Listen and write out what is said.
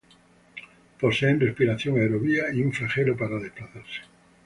Poseen respiración aerobia y un flagelo para desplazarse.